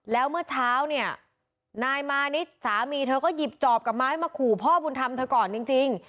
แล้วเมื่อเช้าเนี่ยนายมานิดสามีเธอก็หยิบจอบกับไม้มาขู่พ่อบุญธรรมเธอก่อนจริง